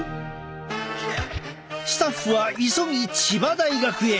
スタッフは急ぎ千葉大学へ。